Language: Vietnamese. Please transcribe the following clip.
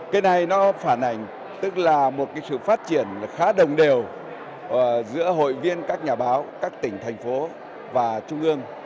cái này nó phản ảnh tức là một sự phát triển khá đồng đều giữa hội viên các nhà báo các tỉnh thành phố và trung ương